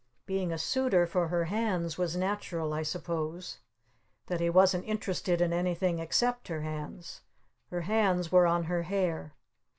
Being a Suitor for her hands it was natural, I suppose, that he wasn't interested in anything except her hands. Her hands were on her hair.